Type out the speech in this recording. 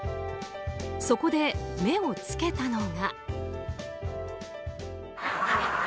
そこで目を付けたのが。